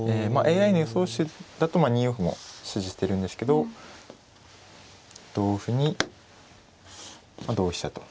ＡＩの予想手だと２四歩も指示してるんですけど同歩に同飛車と。